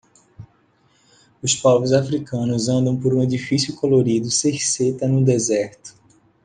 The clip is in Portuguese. Os povos africanos andam por um edifício colorido cerceta no deserto.